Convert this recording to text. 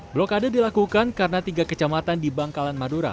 blokade dilakukan karena tiga kecamatan di bangkalan madura